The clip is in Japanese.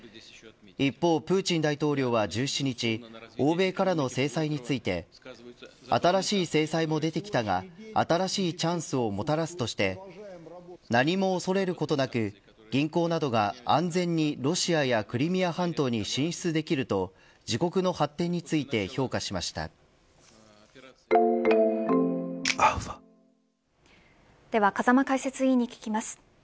一方、プーチン大統領は１７日欧米からの制裁について新しい制裁も出てきたが新しいチャンスをもたらすとして何も恐れることなく銀行などが安全にロシアやクリミア半島に進出できると自国の発展についてでは風間解説委員に聞きます。